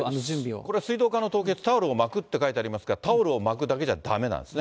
これは水道管の凍結、タオルを巻くって書いてありますが、タオルを巻くだけじゃだめなんですね。